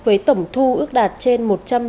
với tổng thu ước đạt trên một trăm linh lượt khách